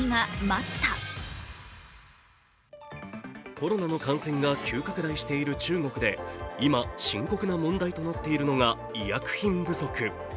コロナの感染が急拡大している中国で今、深刻な問題となっているのが医薬品不足。